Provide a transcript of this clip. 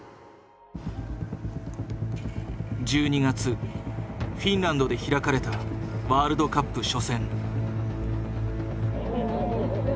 １２月フィンランドで開かれたワールドカップ初戦。